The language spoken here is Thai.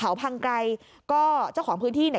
เขาพังไกรก็เจ้าของพื้นที่เนี่ย